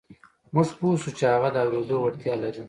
موږ پوه شوو چې هغه د اورېدو وړتیا لري